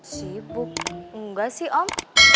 sibuk enggak sih om